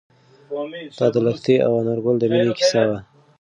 دا د لښتې او انارګل د مینې کیسه وه.